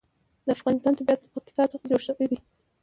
د افغانستان طبیعت له پکتیکا څخه جوړ شوی دی.